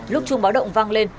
lúc trung báo động vang lên